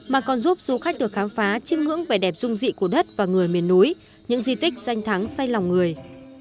mà còn giúp du khách được khám phá chiêm ngưỡng vẻ đẹp dung dị của đất và người miền núi những di tích danh thắng say lòng người